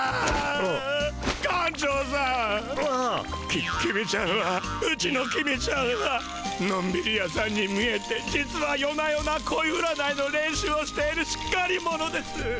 き公ちゃんはうちの公ちゃんはのんびり屋さんに見えて実は夜な夜なこい占いの練習をしているしっかり者です。